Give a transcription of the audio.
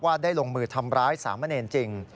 ได้ลงมือทำร้ายสามเณรจริง